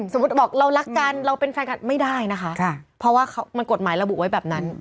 บอกเรารักกันเราเป็นแฟนกันไม่ได้นะคะเพราะว่ามันกฎหมายระบุไว้แบบนั้น